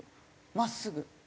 真っすぐ。